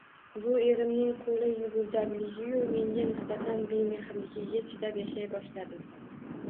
Bu erimning qo'li yugurdakligiyu menga nisbatan bemehrligiga chidab yashay boshladim